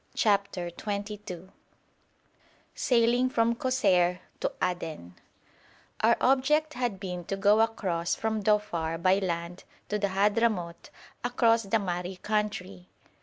CHAPTER XXII SAILING FROM KOSSEIR TO ADEN Our object had been to go across from Dhofar by land to the Hadhramout, across the Mahri country.